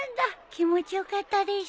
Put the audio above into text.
気持ちよかったでしょ？